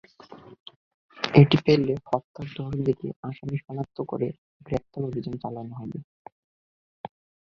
এটি পেলে হত্যার ধরন দেখে আসামি শনাক্ত করে গ্রেপ্তার অভিযান চালানো হবে।